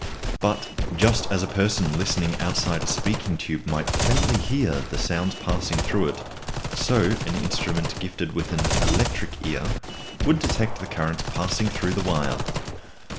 But just as a person listening outside a speaking tube might faintly hear the sounds passing through it, so an instrument gifted with an "electric ear" would detect the currents passing through the wire.